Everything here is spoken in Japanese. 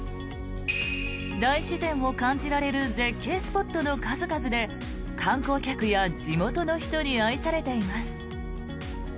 大自然を感じられる絶景スポットの数々で観光客や地元の人に愛されています。